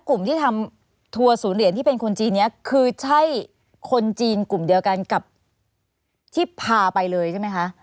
กลุ่มที่ทำทัวร์ศูนย์เหรียญที่เป็นคนจีนนี้คือใช่คนจีนกลุ่มเดียวกันกับที่พาไปเลยใช่ไหมคะ